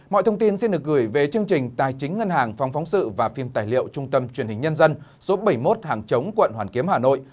mọi thông tin xin được gửi về chương trình tài chính ngân hàng phòng phóng sự và phim tài liệu trung tâm truyền hình nhân dân số bảy mươi một hàng chống quận hoàn kiếm hà nội